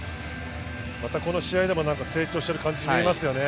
この試合でも成長している感じが見えますよね。